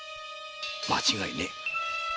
間違いねえ